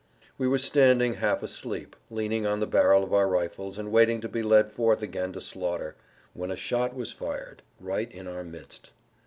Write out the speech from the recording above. We were standing half asleep, leaning on the barrel of our rifles and waiting to be led forth again to slaughter, when a shot was fired right in our midst.